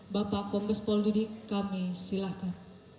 bapak kompes poldudik kami silakan